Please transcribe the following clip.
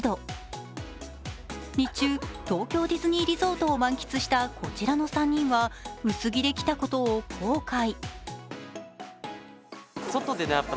日中、東京ディズニーリゾートを満喫したこちらの３人は薄着で来たことを後悔。